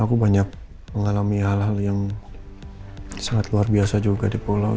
aku banyak mengalami hal hal yang sangat luar biasa juga di pulau